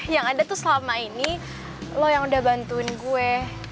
yang ada tuh selama ini lo yang udah bantuin gue